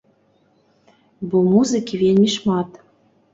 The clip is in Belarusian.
Бо музыкі вельмі шмат!